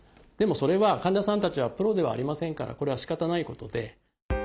でもそれは患者さんたちはプロではありませんからこれはしかたないことで。